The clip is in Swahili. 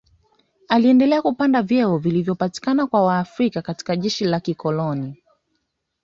Aliendelea kupanda vyeo vilivyopatikana kwa Waafrika katika jeshi la kikoloni